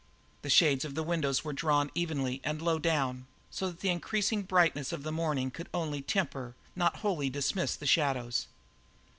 The shades of the windows were drawn evenly, and low down, so that the increasing brightness of the morning could only temper, not wholly dismiss the shadows.